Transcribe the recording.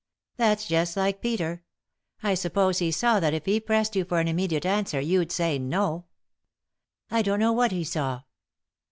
" That's just like Peter. I suppose he saw that it he pressed you for an immediate answer you'd say 'No'?" "I don't know what he saw."